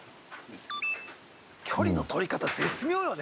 距離の取り方絶妙よね